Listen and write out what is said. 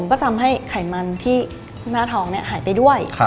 ก็ทำให้ไขมันที่หน้าท้องหายไปด้วย